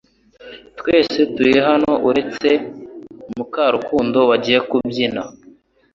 Twese turi hano uretse Mukarukundo wagiye kubyina ?